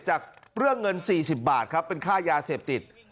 จากเรื่องเงิน๔๐บาทครับเป็นค่ายาเสพติด